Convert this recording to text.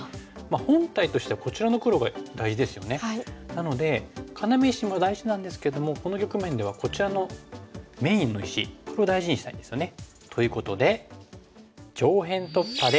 なので要石も大事なんですけどもこの局面ではこちらのメインの石これを大事にしたいんですよね。ということで。